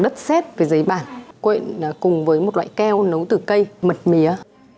đất xét với giấy bản quện cùng với một loại keo nấu từ cây mật mía